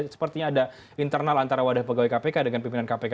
sepertinya ada internal antara wadah pegawai kpk dengan pimpinan kpk